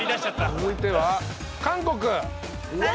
続いては韓国。